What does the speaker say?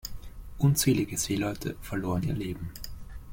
Unzählige Seeleute verloren ihr Leben.